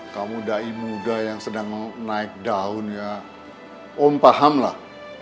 kamu daim muda yang sedang naik daun ya om pahamlah